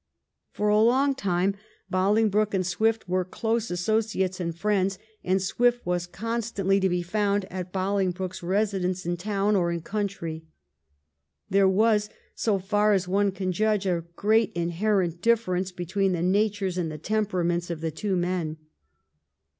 For a long time Bolingbroke and Swift were close associates and friends, and Swift was constantly to be found at Bolingbroke's residence in town or country. There was, so far as one can judge, a great inherent difference between the natures and the temperaments of the two men.